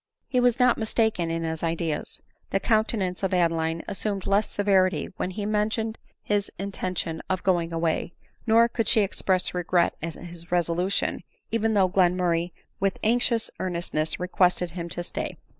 He was not mistaken in his ideas ; the countenance of Adeline assumed less severity when he mentioned his in tention of going away, nor could she express regret at his resolution, even though Glenmurray with anxious earnestness requested him to stay.